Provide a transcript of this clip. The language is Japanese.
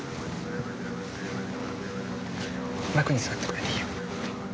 楽に座ってくれていいよ。